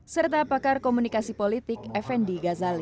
serta pakar komunikasi politik effendi ghazali